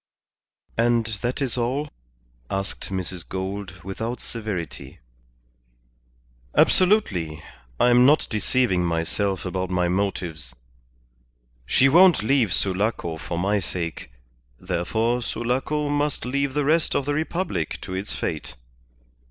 "And that is all?" asked Mrs. Gould, without severity. "Absolutely. I am not deceiving myself about my motives. She won't leave Sulaco for my sake, therefore Sulaco must leave the rest of the Republic to its fate.